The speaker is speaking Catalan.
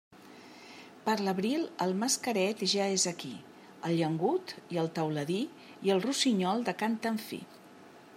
Per l'abril, el mascaret ja és aquí, el llengut i el teuladí i el rossinyol de cant tan fi.